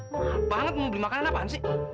wah banget mau beli makanan apaan sih